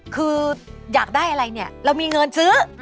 คืออยากได้อะไรเนี่ยเรามีเงินซื้อ